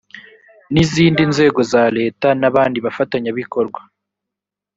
n izindi nzego za leta n abandi bafatanyabikorwa